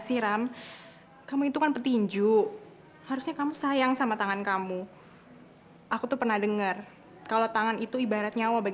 sampai jumpa di video selanjutnya